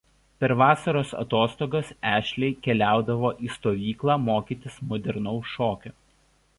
Per vasaros atostogas Ashley keliaudavo į stovyklą mokytis modernaus šokio.